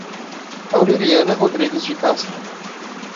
Aureliana Rodrigues de Castro